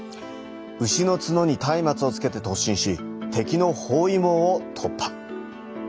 牛の角にたいまつをつけて突進し敵の包囲網を突破。